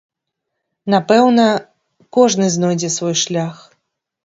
Напэўна, кожны знойдзе свой шлях.